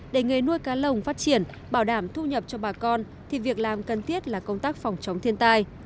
để nghề nuôi cá lồng phát triển bảo đảm thu nhập cho bà con thì việc làm cần thiết là công tác phòng chống thiên tai